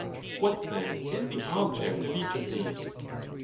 What, then, is the object of each of these?